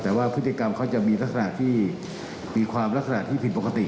แต่ว่าพฤติกรรมเขาจะมีลักษณะที่มีความลักษณะที่ผิดปกติ